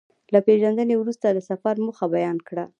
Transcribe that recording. له پېژندنې وروسته د سفر موخه بيان کړه.